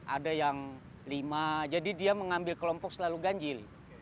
ada yang lima jadi dia mengambil kelompok selalu ganjil